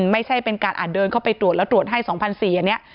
ไม่ใช่เป็นการอาจเดินเข้าไปตรวจแล้วตรวจให้๒๔๐๐อันนี้